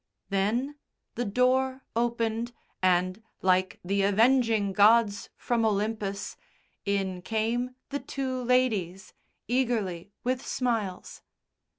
Then the door opened and, like the avenging gods from Olympus, in came the two ladies, eagerly, with smiles.